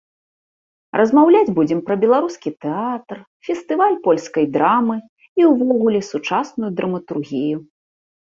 Размаўляць будзем пра беларускі тэатр, фестываль польскай драмы і ўвогуле сучасную драматургію.